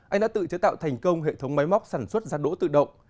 anh đã tự chế tạo thành công hệ thống máy móc sản xuất ra đỗ tự động